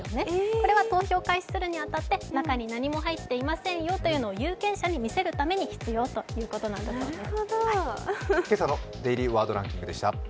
これは投票を開始するに当たって中に何も入っていませんよというのを有権者に見せるために必要ということなんだそうです。